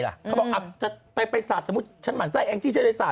เขาบอกไปสาดสมมติฉันหมั่นไส้ใช่ไหมสาด